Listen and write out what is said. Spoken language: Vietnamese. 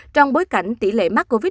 trong bối cảnh tỷ lệ mắc covid một mươi chín